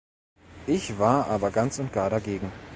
Ich war aber ganz und gar dagegen.